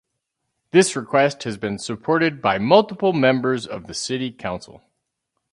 This request has been supported by multiple members of the city council.